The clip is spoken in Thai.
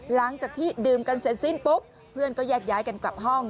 หลังจากที่ดื่มกันเสร็จสิ้นปุ๊บเพื่อนก็แยกย้ายกันกลับห้อง